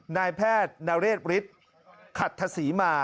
นายแพทย์นาเลศบริสต์ขัดทศีรมา